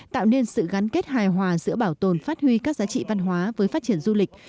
tạo nên sự gắn kết hài hòa giữa bảo tồn phát huy các giá trị văn hóa với phát triển du lịch